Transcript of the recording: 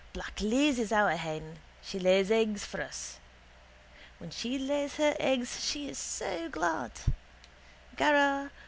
Black Liz is our hen. She lays eggs for us. When she lays her egg she is so glad. Gara.